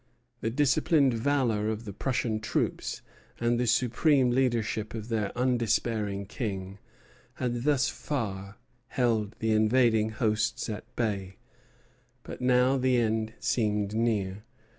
The disciplined valor of the Prussian troops and the supreme leadership of their undespairing King had thus far held the invading hosts at bay; but now the end seemed near.